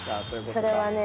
それはね。